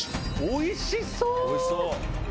おいしそう！